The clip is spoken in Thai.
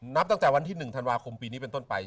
นับตั้งแต่วันที่๑ธันวาคมปีนี้เป็นต้นไป